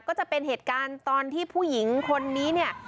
ก็จะเป็นเหตุการณ์ตอนที่ผู้หญิงคนนี้เนี่ย